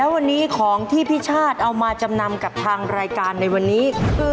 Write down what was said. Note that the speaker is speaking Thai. เอาล่ะพี่ชาดมารายการของเราในวันนี้